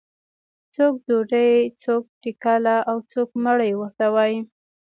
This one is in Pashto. څوک ډوډۍ، څوک ټکله او څوک مړۍ ورته وایي.